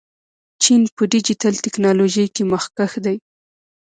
چین په ډیجیټل تکنالوژۍ کې مخکښ دی.